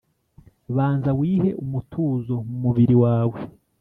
banza wihe umutuzo mu mubiri wawe,